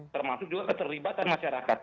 termasuk juga keterlibatan masyarakat